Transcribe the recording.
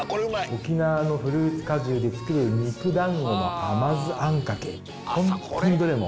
沖縄のフルーツ果汁で作る肉団子の甘酢あんかけ。